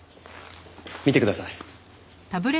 見てください。